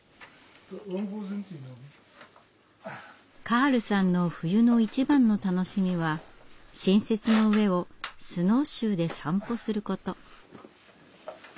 カールさんの冬の一番の楽しみは新雪の上をスノーシューで散歩すること。